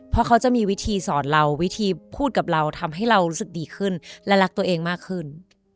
เพราะเขาจะมีวิธีสอนเราวิธีพูดกับเราทำให้เรารู้สึกดีขึ้นและรักตัวเองมากขึ้น